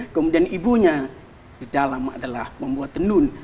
kemudian ibunya di dalam adalah membuat tenun